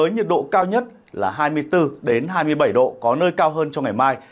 nhiệt độ cao nhất là hai mươi bốn hai mươi bảy độ có nơi cao hơn trong ngày mai